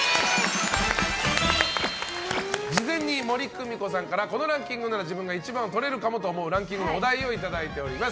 事前に森公美子さんからこのランキングなら自分が１番とれるかもと思うランキングのお題をいただいております。